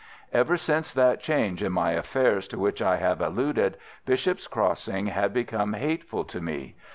"Ever since that change in my affairs to which I have alluded, Bishop's Crossing had become hateful to me.